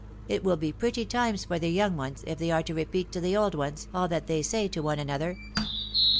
It will be pretty times for the young ones, if they are to repeat to the old ones, all that they say to one another